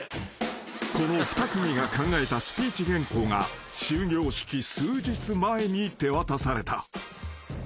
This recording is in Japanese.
［この２組が考えたスピーチ原稿が終業式数日前に手渡された］